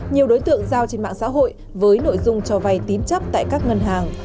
nhiều đối tượng giao trên mạng xã hội với nội dung cho vay tín chấp tại các ngân hàng